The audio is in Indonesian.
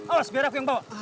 awas biar aku yang bawa